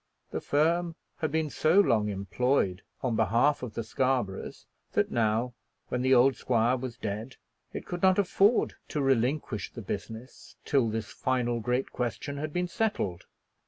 The firm had been so long employed on behalf of the Scarboroughs that now, when the old squire was dead, it could not afford to relinquish the business till this final great question had been settled.